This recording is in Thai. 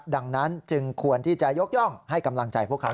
ดังนั้นจึงควรที่จะยกย่องให้กำลังใจพวกเขา